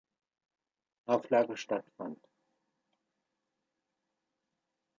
Auflage stattfand.